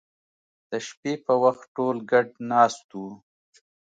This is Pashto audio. د شپې په وخت ټول ګډ ناست وو